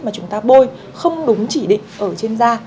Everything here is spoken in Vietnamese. mà chúng ta bôi không đúng chỉ định ở trên da